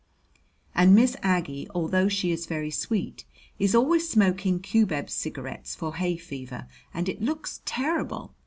And Miss Aggie, although she is very sweet, is always smoking cubeb cigarettes for hay fever, and it looks terrible!